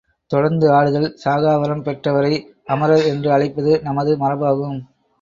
தொடர்ந்து ஆடுதல் சாகாவரம் பெற்றவரை அமரர் என்று அழைப்பது நமது மரபாகும்.